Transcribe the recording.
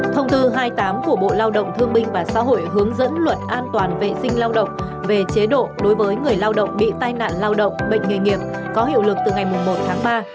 thông tư hai mươi tám của bộ lao động thương binh và xã hội hướng dẫn luật an toàn vệ sinh lao động về chế độ đối với người lao động bị tai nạn lao động bệnh nghề nghiệp có hiệu lực từ ngày một tháng ba